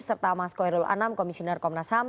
serta mas koirul anam komisioner komnas ham